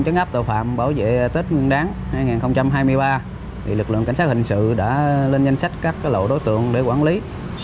cảnh sát hình sự đã lên danh sách các lộ đối tượng để quản lý